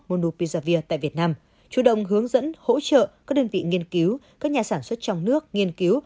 monou pizavir tại việt nam chủ động hướng dẫn hỗ trợ các đơn vị nghiên cứu các nhà sản xuất trong nước nghiên cứu